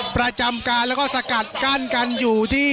ประจำการซะกัดกั้นกันอยู่ที่